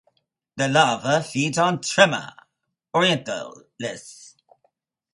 The larva feeds on "Trema orientalis".